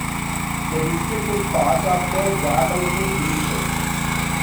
The district is part of the Jabalpur Division.